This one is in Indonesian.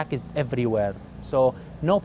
pengembangan tersebut berada di mana mana